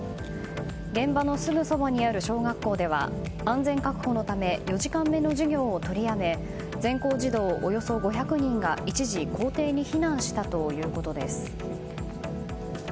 現場のすぐそばにある小学校では安全確保のため４時間目の授業を取りやめ全校児童およそ５００人が一時校庭に避難したということです。